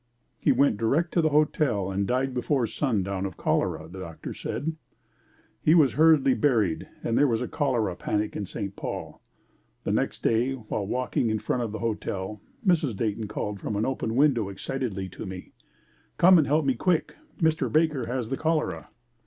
He went direct to the hotel and died before sun down of cholera, the Doctor said. He was hurriedly buried and there was a cholera panic in St. Paul. The next day while walking in front of the hotel, Mrs. Dayton called from an open window excitedly to me, "Come and help me quick. Mr. Baker has the cholera!"